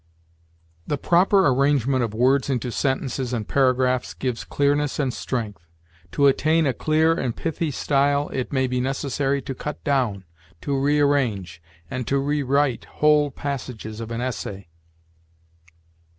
"The proper arrangement of words into sentences and paragraphs gives clearness and strength. To attain a clear and pithy style, it may be necessary to cut down, to rearrange, and to rewrite whole passages of an essay.